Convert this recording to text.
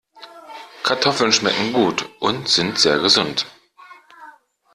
Kartoffeln schmecken gut und sind sehr gesund.